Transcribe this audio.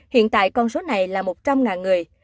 hiện tại con số này là một trăm linh người